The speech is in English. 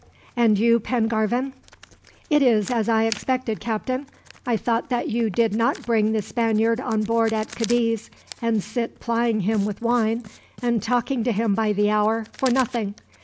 "And you, Pengarvan?" "It is as I expected, Captain. I thought that you did not bring the Spaniard on board at Cadiz, and sit plying him with wine, and talking to him by the hour, for nothing.